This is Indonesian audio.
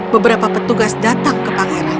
beberapa petugas datang ke pangeran